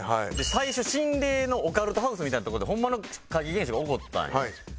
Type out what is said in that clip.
最初心霊のオカルトハウスみたいなとこでホンマの怪奇現象が起こったんよ。